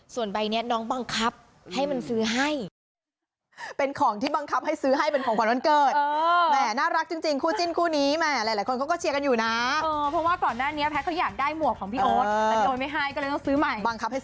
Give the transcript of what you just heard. ส่วนใบนี้น้องบังคับให้มันซื้อให้